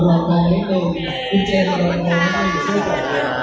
โอเคขอบคุณค่ะ